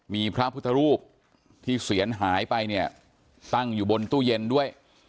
มีพระพุทธรูปที่เสียหายไปเนี่ยตั้งอยู่บนตู้เย็นด้วย